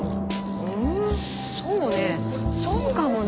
うんそうね。